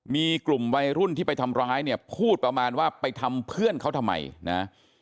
มีกลุ่มวัยรุ่นที่ไปทำร้ายเนี่ยพูดประมาณว่าไปทำเพื่อนเขาทำไมนะ